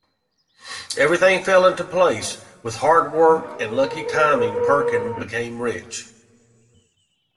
Everything fell into place: with hard work and lucky timing, Perkin became rich.